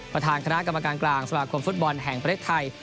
ประธานคณะกรรมการกลางสมาคมฟุตบอลแห่งประเทศไทย